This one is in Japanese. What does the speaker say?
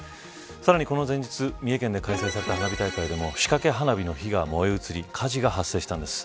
さらに、この前日三重県で開催された花火大会でも仕掛け花火の火が燃え移り火事が発生したんです。